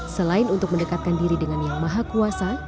selain untuk mendekatkan diri dengan yang maha kuasa